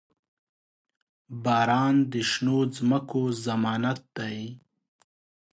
• باران د شنو ځمکو ضمانت دی.